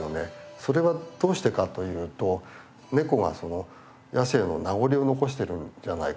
それはどうしてかというとネコがその野生の名残を残しているんじゃないかっていわれてます。